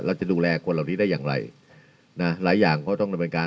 จะดูแลคนเหล่านี้ได้อย่างไรนะหลายอย่างก็ต้องดำเนินการ